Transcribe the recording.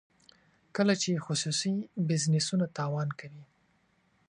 کله چې خصوصي بزنسونه تاوان کوي.